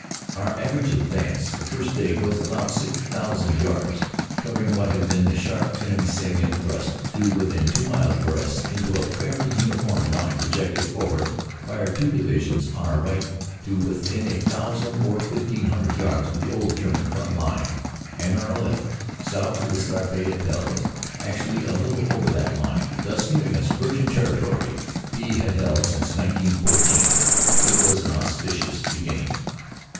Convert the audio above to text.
Our average advance the first day was thus about 6,000 yards, converting what had been the sharp enemy salient thrust to within two miles of Arras into a fairly uniform line pro jected forward by our two Divisions on our right to within a thousand or fifteen hundred yards of the old German front line; and on our left, south of the Scarpe at Pelves, actually a OPERATIONS: AUG. 26 27 125 little over that line, thus giving us virgin territory he had held since 1914. It was an auspicious beginning.